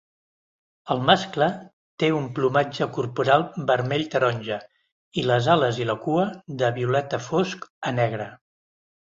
El mascle té un plomatge corporal vermell-taronja, i les ales i la cua de violeta fosc a negre.